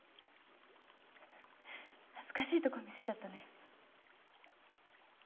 恥ずかしいとこ見せちゃったね。